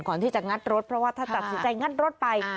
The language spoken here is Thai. ก่อนที่จะงัดรถเพราะว่าถ้าตัดสินใจงัดรถไป